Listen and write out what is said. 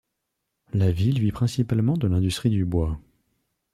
La ville vit principalement de l'industrie du bois.